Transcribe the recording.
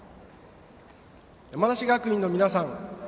山梨学院の皆さん